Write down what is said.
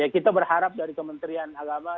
kita berharap dari kementerian agama